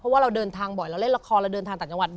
เพราะว่าเราเดินทางบ่อยเราเล่นละครเราเดินทางต่างจังหวัดบ่อย